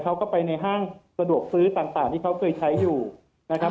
เขาก็ไปในห้างสะดวกซื้อต่างที่เขาเคยใช้อยู่นะครับ